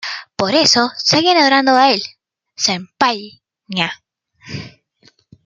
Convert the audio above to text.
Por eso seguían adorando a El.